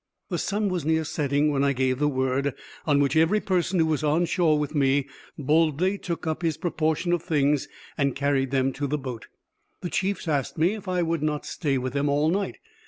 The sun was near setting when I gave the word, on which every person who was on shore with me boldly took up his proportion of things and carried them to the boat. The chiefs asked me if I would not stay with them all night.